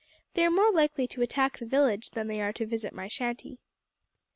They are more likely to attack the village than they are to visit my shanty."